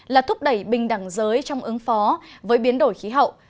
là thúc đẩy bình đẳng giới trong ứng phó với biến đổi khí hậu